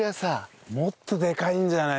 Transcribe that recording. もっとでかいんじゃない？